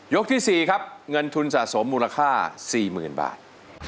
ที่๔ครับเงินทุนสะสมมูลค่า๔๐๐๐บาท